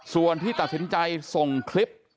ส่วนที่ตัดสินใจส่งคลิป